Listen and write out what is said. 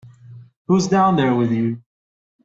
Who's down there with you?